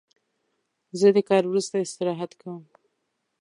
زه د کار وروسته استراحت کوم.